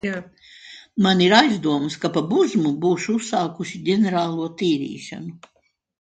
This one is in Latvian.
Man ir aizdomas, ka pa burzmu būšu uzsākusi ģenerālo tīrīšanu.